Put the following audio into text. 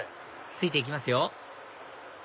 ついていきますよ